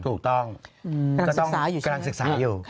ถูกต้องกำลังศึกษาอยู่